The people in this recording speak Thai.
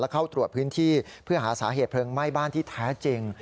เข้าตรวจพื้นที่เพื่อหาสาเหตุเพลิงไหม้บ้านที่แท้จริง